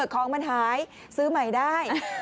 ของมันหายซื้อใหม่ได้